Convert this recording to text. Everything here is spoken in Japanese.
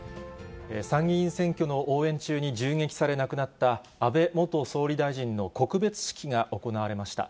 参議院選挙の応援中に銃撃され亡くなった、安倍元総理大臣の告別式が行われました。